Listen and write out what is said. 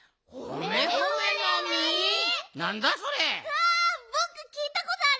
わぼくきいたことあるよ！